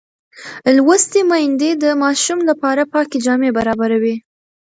لوستې میندې د ماشوم لپاره پاکې جامې برابروي.